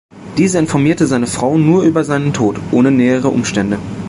Diese informierte seine Frau nur über seinen Tod, ohne nähere Umstände.